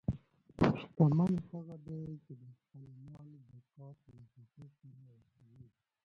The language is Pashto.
شتمن هغه دی چې د خپل مال زکات له خوښۍ سره ورکوي.